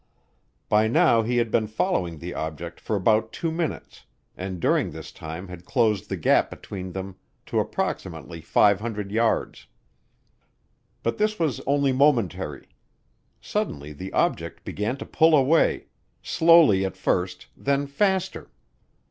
By now he had been following the object for about two minutes and during this time had closed the gap between them to approximately 500 yards. But this was only momentary. Suddenly the object began to pull away, slowly at first, then faster.